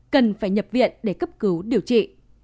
cần phải nhập viện để cấp cứu điều trị